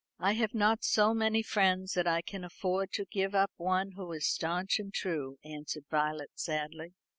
"I have not so many friends that I can afford to give up one who is stanch and true," answered Violet sadly.